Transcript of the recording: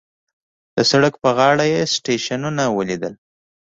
په سړک په غاړو سټیشنونه وليدل.